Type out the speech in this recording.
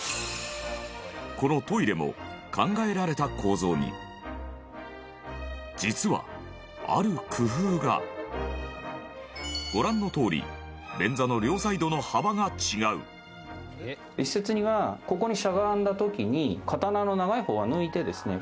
このトイレも考えられた構造に実は、ある工夫がご覧のとおり便座の両サイドの幅が違う一説にはここにしゃがんだ時に刀の長い方は抜いてですね